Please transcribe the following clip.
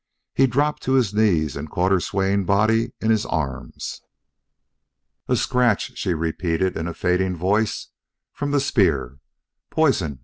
He dropped to his knees and caught her swaying body in his arms. "A scratch," she repeated in a fading voice, "from the spear.... Poison